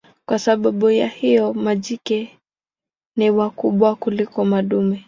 Kwa sababu ya hiyo majike ni wakubwa kuliko madume.